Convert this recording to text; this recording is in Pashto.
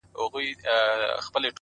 پرمختګ د وېرې تر پولې هاخوا وي